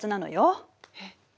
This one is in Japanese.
えっ？